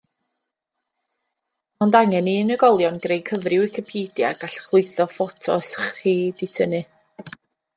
Ond angen i unigolion greu cyfri Wicipedia a gallwch lwytho ffotos chi 'di tynnu.